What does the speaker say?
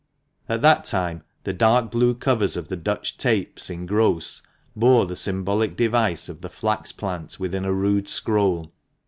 At that time the dark blue covers of the Dutch tapes in gross bore the symbolic device of the flax plant within a rude scroll.